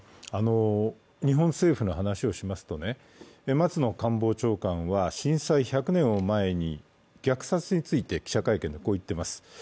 日本政府の話をしますとね、松野官房長官は震災１００年を前に虐殺について記者会見でこう言っています。